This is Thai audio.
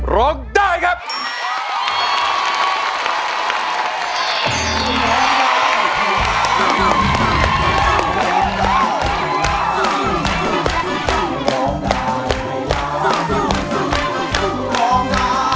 ร้องได้พยายาม